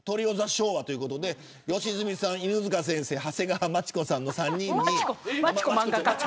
昭和ということで良純さん、犬塚先生長谷川町子さんの３人に。